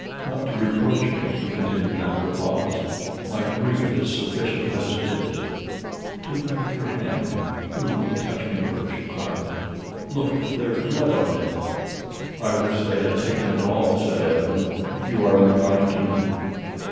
"Not to reproach me," he continued after a pause. "My grief is sufficient as it is." "Take back your hand do not touch me with it!" she cried. "Look! there's blood on it!" "I wish they had taken it all," said Esmond; "if you are unkind to me."